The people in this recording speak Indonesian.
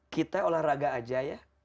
kita olahraga aja ya